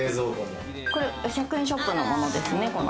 １００円ショップのものですね。